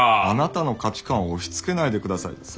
あなたの価値観を押しつけないでください。